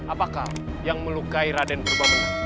apakah yang melukai raden purba benar